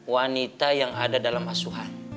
wanita yang ada dalam asuhan